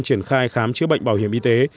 triển khai khám chữa bệnh bảo hiểm y tế